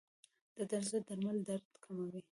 د درد ضد درمل درد کموي.